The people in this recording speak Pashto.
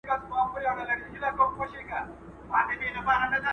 د خندا او خوشالۍ خپرول صدقه ده.